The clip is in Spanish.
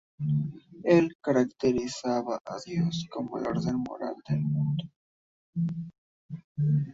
Él caracterizaba a dios como el orden moral del mundo.